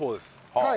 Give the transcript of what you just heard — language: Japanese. はい。